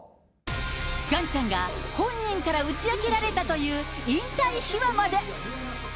ガンちゃんが本人から打ち明けられたという引退秘話まで。